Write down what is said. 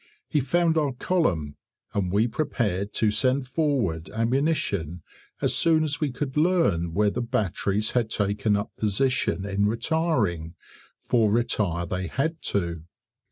He found our column, and we prepared to send forward ammunition as soon as we could learn where the batteries had taken up position in retiring, for retire they had to.